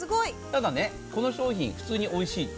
ただ、この商品普通においしい。